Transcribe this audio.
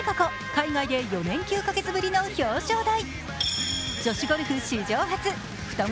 海外で４年９か月ぶりの表彰台。